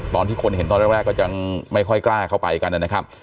ตอนที่คนเห็นตอนแรกก็ยังไม่ค่อยกล้าเข้าไปกันนะครับ